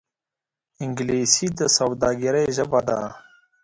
انګلیسي د سوداگرۍ ژبه ده